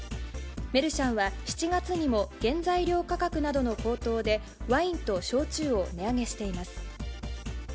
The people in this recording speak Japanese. メルシャンは、７月にも原材料価格などの高騰で、ワインと焼酎を値上げしています。